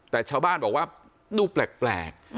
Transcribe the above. แต่ชาวบ้านบอกว่าดูแปลก